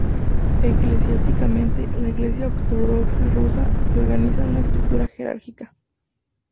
Eclesiásticamente, la Iglesia Ortodoxa Rusa se organiza en una estructura jerárquica.